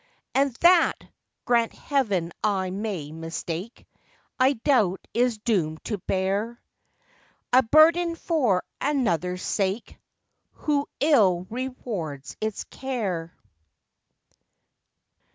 And that (grant Heaven, I may mistake!) I doubt is doom'd to bear A burden for another's sake, Who ill rewards its care.